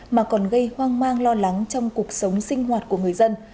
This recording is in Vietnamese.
mà còn gây hoang mang lo lắng trong cuộc sống sinh hoạt của người dân